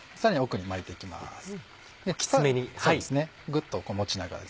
グッと持ちながら。